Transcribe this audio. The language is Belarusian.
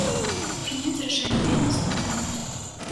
Прыняць рашэнне вельмі складана.